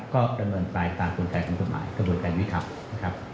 ก็ดำเนินไปตามกฎหมายกระบวนการยุทธรรมนะครับ